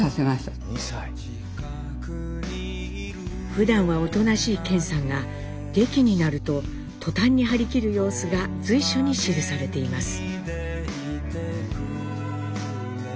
ふだんはおとなしい顕さんが劇になると途端に張り切る様子が随所に記されています。